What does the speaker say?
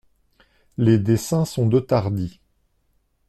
Les dessins sont de Tardi.